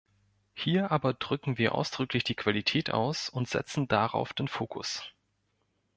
Hier aber drücken wir ausdrücklich die Qualität aus und setzen darauf den Fokus.